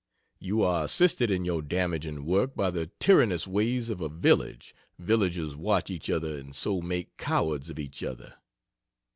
You are assisted in your damaging work by the tyrannous ways of a village villagers watch each other and so make cowards of each other.